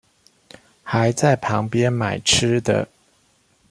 還在旁邊買吃的